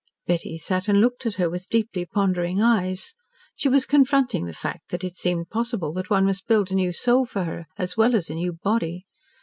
Betty sat and looked at her, with deeply pondering eyes. She was confronting the fact that it seemed possible that one must build a new soul for her as well as a new body.